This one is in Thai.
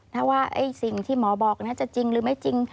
ถ้าว่าสิ่งที่หมอบอกนั้นจะจริงหรือไม่จริง